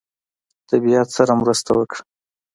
طبیعت سره مرسته وکړه.